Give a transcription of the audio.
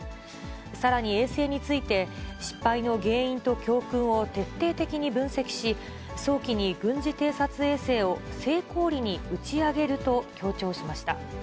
さらに衛星について、失敗の原因と教訓を徹底的に分析し、早期に軍事偵察衛星を成功裏に打ち上げると強調しました。